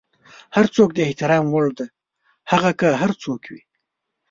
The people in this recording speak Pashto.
هر څوک د احترام وړ دی، هغه که هر څوک وي.